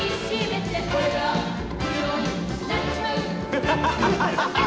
ハハハハ！